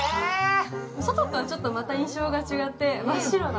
外とちょっと印象が違って、真っ白な。